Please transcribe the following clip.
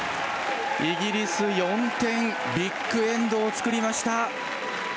イギリス、４点ビッグ・エンドを作りました。